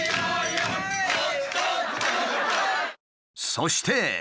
そして。